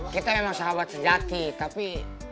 kita emang sahabat sejati tapi